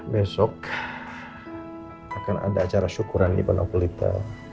besok akan ada acara syukuran ibn akhulita